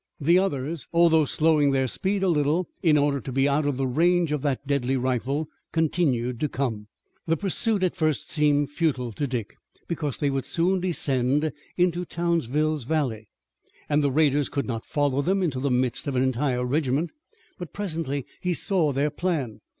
The others, although slowing their speed a little, in order to be out of the range of that deadly rifle, continued to come. The pursuit at first seemed futile to Dick, because they would soon descend into Townsville's valley, and the raiders could not follow them into the midst of an entire regiment. But presently he saw their plan.